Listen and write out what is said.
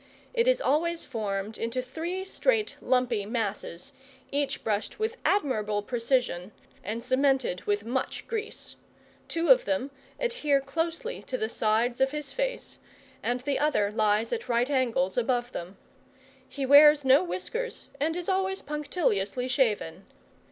It is always formed into three straight lumpy masses, each brushed with admirable precision, and cemented with much grease; two of them adhere closely to the sides of his face, and the other lies at right angles above them. He wears no whiskers, and is always punctiliously shaven.